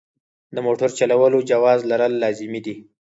د موټر چلولو جواز لرل لازمي دي.